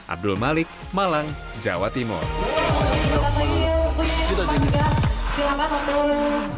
abdul malik malang jawa timur